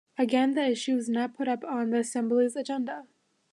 Again the issue was not put on the Assembly's agenda.